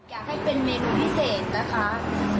อยากให้เป็นเมนูพิเศษนะคะ